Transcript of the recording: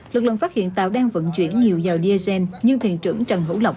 lực lượng phát hiện tàu đang vận chuyển nhiều dầu diesel như thuyền trưởng trần hữu lộc